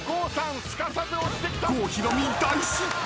［郷ひろみ大失敗！］